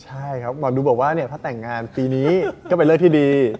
ใช่ครับหมอดูบอกว่าเนี่ยถ้าแต่งงานปีนี้ก็เป็นเรื่องที่ดี